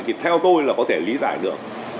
thì theo tôi là có thể lý giải được